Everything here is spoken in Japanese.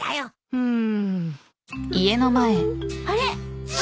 うん。